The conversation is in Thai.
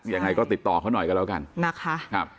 ยังไงก็ติดต่อเขาหน่อยกันแล้วกันนะคะ